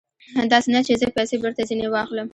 داسې نه چې زه پیسې بېرته ځنې واخلم.